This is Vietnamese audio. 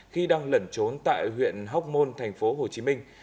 khi đang lẩn trốn tại huyện hóc môn thành phố hồ chí minh